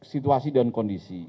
situasi dan kondisi